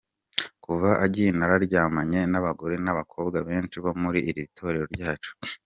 Kuva agiye naryamanye n’abagore n’abakobwa benshi bo muri iri torero ryacu.